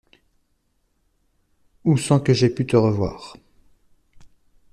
Ou sans que j'ai pu te revoir.